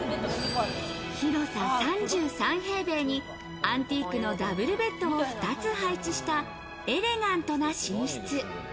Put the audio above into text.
広さ３３平米に、アンティークのダブルベッドを二つ配置したエレガントな寝室。